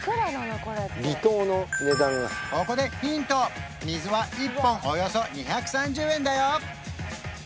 これってここでヒント水は１本およそ２３０円だよ